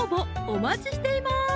お待ちしています